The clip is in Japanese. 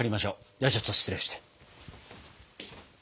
ではちょっと失礼して。